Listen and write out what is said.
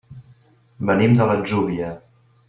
Venim de l'Atzúvia.